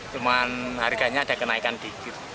cuman harganya ada kenaikan sedikit